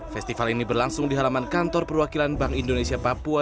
festival ini berlangsung di halaman kantor perwakilan bank indonesia papua